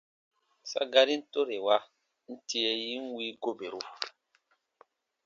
Sa garin tore wa, n tie yin wii goberu.